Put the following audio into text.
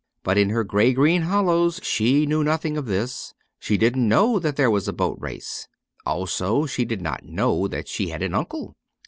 But in her grey green hollows, she knew nothing of this ; she didn't know that there was a Boat Race. Also she did not know that she had an uncle.